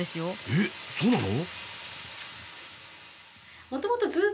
えっそうなの？